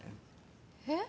えっ？